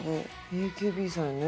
ＡＫＢさんね。